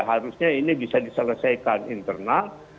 harusnya ini bisa diselesaikan internal